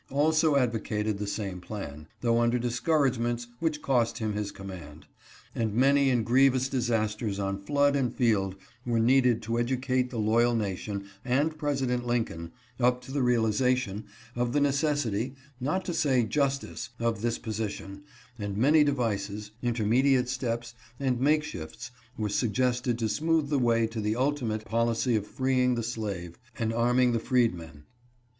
also ad vocated the same plan, though under discouragements which cost him his command. And many and grievous disasters on flood and field were needed to educate the loyal nation and President Lincoln up to the realization of the necessity, not to say justice, of this position, and many devices, intermediate steps, and make shifts were suggested to smooth the way to the ultimate policy of freeing the slave, and arming the freedmen.